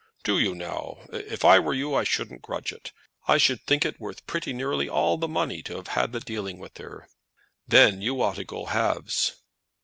"Do you know, if I were you, I shouldn't grudge it. I should think it worth pretty nearly all the money to have had the dealing with her." "Then you ought to go halves."